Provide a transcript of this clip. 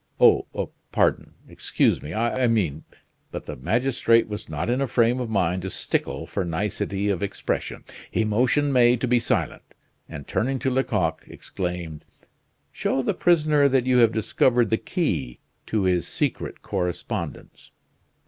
Oh! pardon! Excuse me; I mean " But the magistrate was not in a frame of mind to stickle for nicety of expression. He motioned May to be silent; and, turning to Lecoq, exclaimed: "Show the prisoner that you have discovered the key to his secret correspondence."